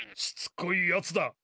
しつこいやつだ！